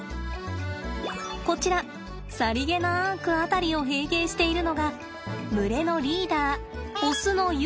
こちらさりげなく辺りを睥睨しているのが群れのリーダーオスのユウです。